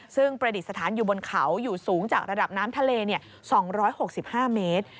ซึ่งประดิษฐานอยู่บนเขาอยู่สูงจากระดับน้ำทะเล๒๖๕เมตร